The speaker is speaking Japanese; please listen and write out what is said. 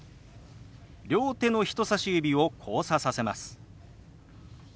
両手の人さし指を交差させます。